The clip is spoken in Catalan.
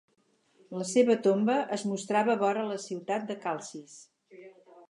La seva tomba es mostrava vora la ciutat de Calcis.